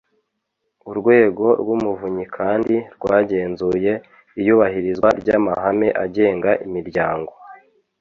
Urwego rw’Umuvunyi kandi rwagenzuye iyubahirizwa ry’amahame agenga imiryango